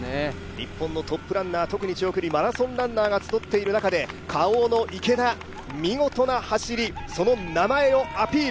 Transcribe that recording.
日本のトップランナー、マラソンランナーが集っている中でＫａｏの池田、見事な走り、その名前をアピール。